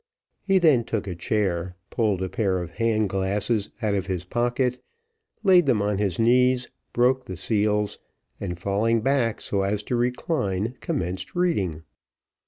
He then took a chair, pulled a pair of hand glasses out of his pocket, laid them on his knees, broke the seals, and falling back so as to recline, commenced reading.